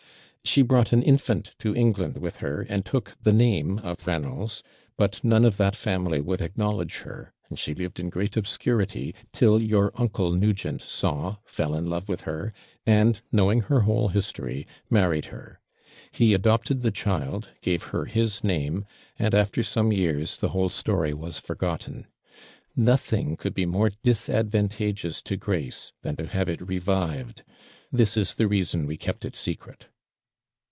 She brought an infant to England with her, and took the name of Reynolds but none of that family would acknowledge her; and she lived in great obscurity, till your uncle Nugent saw, fell in love with her, and (knowing her whole history) married her. He adopted the child, gave her his name, and, after some years, the whole story was forgotten. Nothing could be more disadvantageous to Grace than to have it revived: this is the reason we kept it secret.